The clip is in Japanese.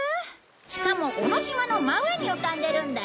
しかも尾の島の真上に浮かんでるんだよ！